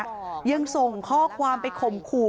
ยังส่งข้อความไปข่มขู่